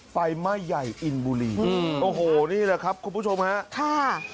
ไฟไหม้ใหญ่อินบุรีโอ้โหนี่แหละครับคุณผู้ชมฮะค่ะ